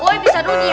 woi bisa dunia